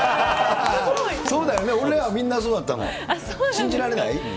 そうだよ、俺らみんなそうだったの。信じられない？